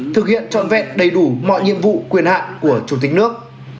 thực hiện trọn vẹn đầy đủ mọi nhiệm vụ quyền hạn của chủ tịch nước